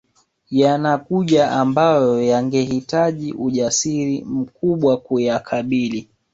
Yanakuja ambayo yangehitaji ujasiri mkubwa kuyakabili